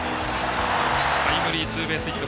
タイムリーツーベースヒット。